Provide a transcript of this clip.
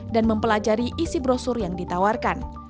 dan mempelajari isi brosur yang ditawarkan